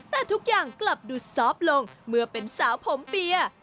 แต่ทุกอย่างกลับดูซอฟต์ลงเมื่อเป็นสาวผมเปียร์